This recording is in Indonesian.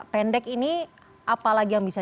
pendek ini apa lagi yang bisa